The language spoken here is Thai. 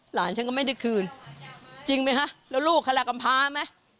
หลานฉันก็ไม่ได้คืนจริงไหมฮะแล้วลูกคลากำพาไหม